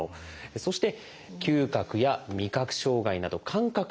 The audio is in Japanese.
そして嗅覚や味覚障害など感覚の異常。